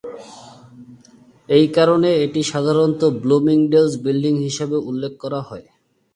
এই কারণে, এটি সাধারণত "ব্লুমিংডেলস বিল্ডিং" হিসাবে উল্লেখ করা হয়।